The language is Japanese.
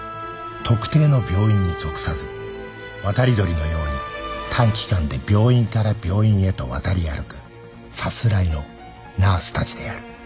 特定の病院に属さず渡り鳥のように短期間で病院から病院へと渡り歩くさすらいのナースたちである